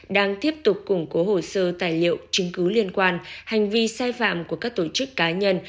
đang tiếp tục củng cố hồ sơ tài liệu chứng cứ liên quan hành vi sai phạm của các tổ chức cá nhân